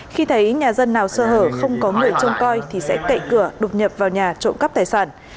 khi thấy nhà dân nào sơ hở không có người trông coi thì sẽ cậy cửa đột nhập vào nhà trộm cắp tài sản